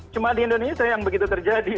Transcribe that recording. cuma di indonesia yang begitu terjadi